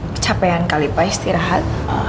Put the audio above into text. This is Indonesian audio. kecapean kali pak istirahat